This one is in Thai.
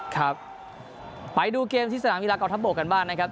ครับไปดูเกมที่สนามกีฬากองทัพบกกันบ้างนะครับ